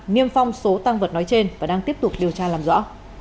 niêm phong số tăng vật nói trên và đang tiếp tục điều tra làm rõ